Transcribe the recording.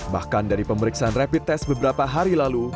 bahkan dari pemeriksaan rapid test beberapa hari lalu